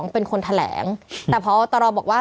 เป็นคนแถลงแต่พอตรบอกว่า